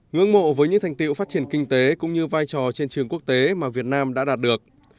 ngưỡng mộ với những thành tiệu phát triển kinh tế cũng như vai trò trên trường quốc tế mà việt nam đã đạt được